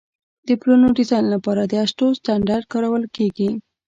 د پلونو ډیزاین لپاره د اشټو سټنډرډ کارول کیږي